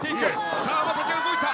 さあ、天咲が動いた。